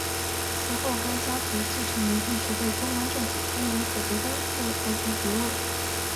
此后该家族继承人一直被中央政府封为辅国公或台吉爵位。